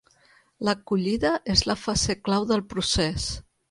L’acollida és la fase clau del procés.